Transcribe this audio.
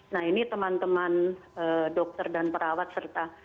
nah ini teman teman dokter dan perawat serta